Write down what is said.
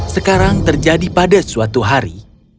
sekarang terjadi pada suatu hari